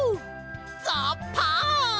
ザッパン！